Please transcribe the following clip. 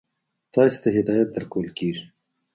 تاسې ته هدایت درکول کیږي.